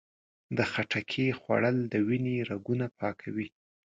د خټکي خوړل د وینې رګونه پاکوي.